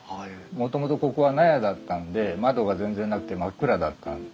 もともとここは納屋だったんで窓が全然なくて真っ暗だったんですね。